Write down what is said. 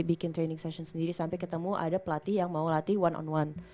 bikin training session sendiri sampai ketemu ada pelatih yang mau latih one on one